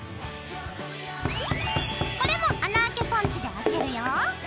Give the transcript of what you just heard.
これも穴あけポンチであけるよ。